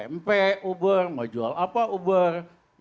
mp uber mau jual apa uber